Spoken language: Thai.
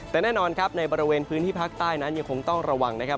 แต่แน่นอนครับในบริเวณพื้นที่ภาคใต้นั้นยังคงต้องระวังนะครับ